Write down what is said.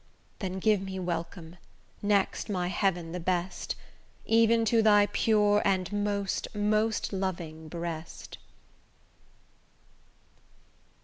Then give me welcome, next my heaven the best, Even to thy pure and most most loving breast.